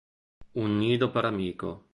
Un nido per amico.